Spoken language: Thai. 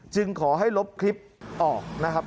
ขอให้ลบคลิปออกนะครับ